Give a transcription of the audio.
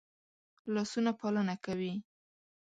لاسونه پالنه کوي